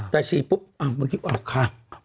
แต่ฉีดอ่ะเหมือนกี่ออกครับ